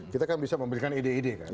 kita kan bisa memberikan ide ide kan